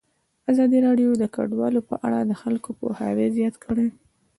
ازادي راډیو د کډوال په اړه د خلکو پوهاوی زیات کړی.